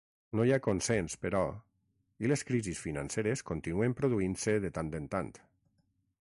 No hi ha consens, però, i les crisis financeres continuen produint-se de tant en tant.